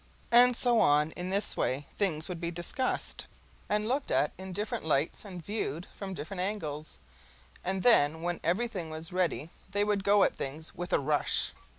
And so on in this way things would be discussed and looked at in different lights and viewed from different angles and then when everything was ready they would go at things with a rush.